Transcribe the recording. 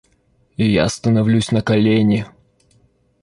И я становлюсь на колени.